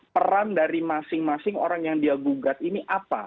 peran dari masing masing orang yang dia gugat ini apa